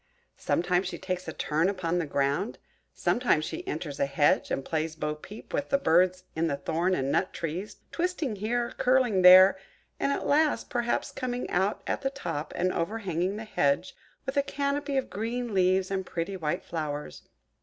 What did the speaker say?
Sometimes she takes a turn upon the ground; sometimes she enters a hedge, and plays at bo peep with the birds in the thorn and nut trees–twisting here, curling there, and at last, perhaps coming out at the top, and overhanging the hedge with a canopy of green leaves and pretty white flowers.